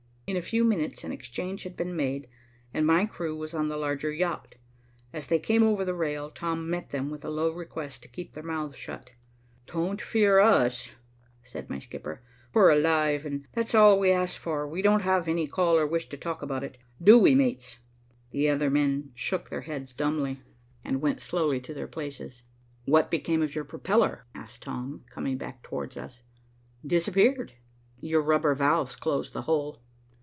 In a few minutes an exchange had been made, and my crew was on the larger yacht. As they came over the rail, Tom met them with a low request to keep their mouths shut. "Don't fear us," said my skipper. "We're alive, that's all we ask for. We don't have any call or wish to talk about it. Do we, mates?" The other men shook their heads dumbly, and went slowly to their places. "What became of your propeller?" asked Tom, coming back towards us. "Disappeared. Your rubber valves closed the hole."